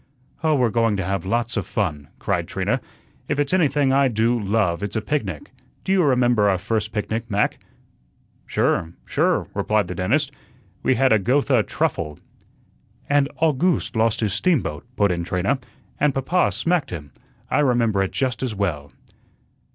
"Oh, we're going to have lots of fun," cried Trina. "If it's anything I do love it's a picnic. Do you remember our first picnic, Mac?" "Sure, sure," replied the dentist; "we had a Gotha truffle." "And August lost his steamboat," put in Trina, "and papa smacked him. I remember it just as well."